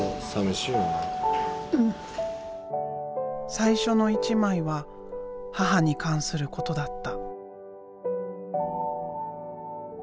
最初の一枚は母に関することだった。